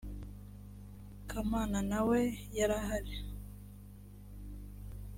kamana nawe yarahari